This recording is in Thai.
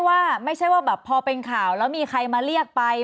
ว่าไม่ใช่ว่าแบบพอเป็นข่าวแล้วมีใครมาเรียกไป